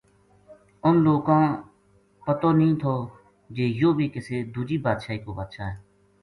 انھ لوکاں پتو نیہہ تھو جی یوہ بھی کسے دوجی بادشاہی کو بادشاہ ہے